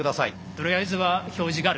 とりあえずは表示がある